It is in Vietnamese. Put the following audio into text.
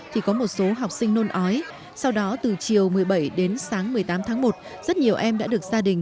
thì có một số học sinh nôn ói sau đó từ chiều một mươi bảy đến sáng một mươi tám tháng một rất nhiều em đã được gia đình